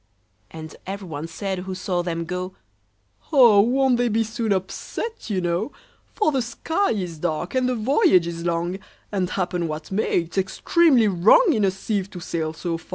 And every one said who saw them go, "Oh! won't they be soon upset, you know? For the sky is dark, and the voyage is long; And, happen what may, it's extremely wrong In a sieve to sail so fast."